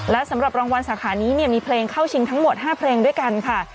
และสำหรับรางวัลสาขานี้มีเพลงเข้าชิงทั้งหมด๕เพลงด้วยกันค่ะ